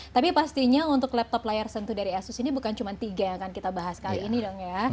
tapi pastinya untuk laptop layar sentuh dari asus ini bukan cuma tiga yang akan kita bahas kali ini dong ya